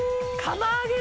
釜揚げ！